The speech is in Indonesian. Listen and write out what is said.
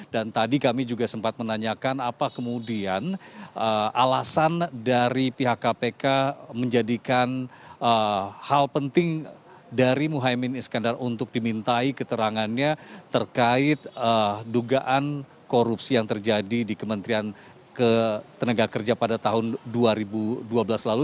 dan tadi kami juga sempat menanyakan apa kemudian alasan dari pihak kpk menjadikan hal penting dari mohaimin skandar untuk dimintai keterangannya terkait dugaan korupsi yang terjadi di kementerian tenaga kerja pada tahun dua ribu dua belas lalu